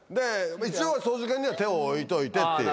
一応操縦桿には手を置いといて。